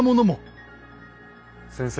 先生。